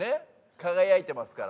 輝いてますから。